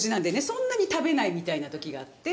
そんなに食べないみたいな時があって。